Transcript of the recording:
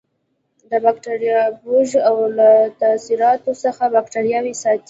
د بکټریوفاژ له تاثیراتو څخه باکتریاوې ساتي.